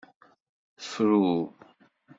Fru.